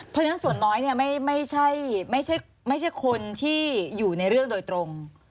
เพราะฉะนั้นส่วนน้อยไม่ใช่คนที่อยู่ในเรื่องโดยตรง